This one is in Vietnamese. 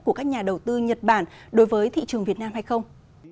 của các nhà đầu tư nhật bản đối với thị trường việt nam hay không